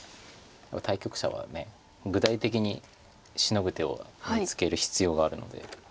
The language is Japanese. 対局者は具体的にシノぐ手を見つける必要があるので。